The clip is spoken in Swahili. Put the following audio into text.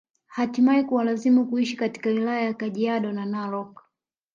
Htimae kuwalazimu kuishi katika wilaya ya Kajaido na Narok